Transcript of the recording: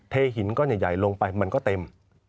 หินก้อนใหญ่ลงไปมันก็เต็ม